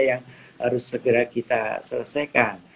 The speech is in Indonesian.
yang harus segera kita selesaikan